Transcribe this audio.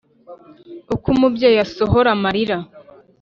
Uko umubyeyi asohora amalira